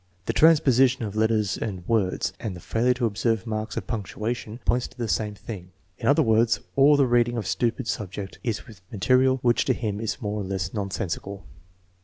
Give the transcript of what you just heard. The transposition of letters and words, and the failure to observe marks of punctuation, point to the same .thing. In other words, all the reading of the TEST NO. X, 4 267 stupid subject is with material which to him is more or less nonsensical.